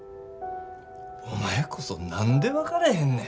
お前こそ何で分かれへんね。